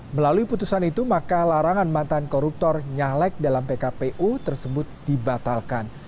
melalui putusan itu maka larangan mantan koruptor nyalek dalam pkpu tersebut dibatalkan